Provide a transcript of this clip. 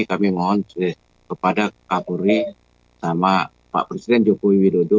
kami mohon kepada kapolri sama pak presiden joko widodo